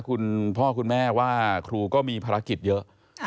คุณพ่อคุณแม่ว่าครูก็มีภารกิจเยอะ